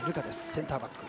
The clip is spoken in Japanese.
センターバック。